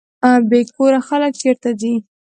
بې کوره خلک چیرته ځي؟